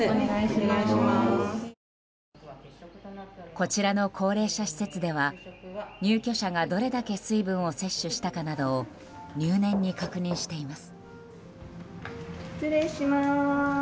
こちらの高齢者施設では入居者がどれだけ水分を摂取したかなどを入念に確認しています。